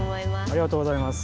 ありがとうございます。